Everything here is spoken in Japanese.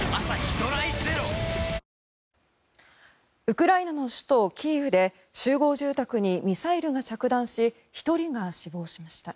ウクライナの首都キーウで集合住宅にミサイルが着弾し１人が死亡しました。